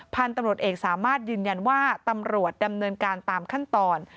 พันธุ์ตำรวจเอกสามารถยืนยันว่าตำรวจดำเนินการตามขั้นตอน